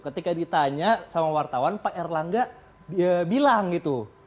ketika ditanya sama wartawan pak erlangga bilang gitu